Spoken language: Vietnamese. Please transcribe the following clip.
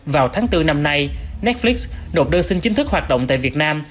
vào tháng bốn năm nay netflix nộp đơn xin chính thức hoạt động tại việt nam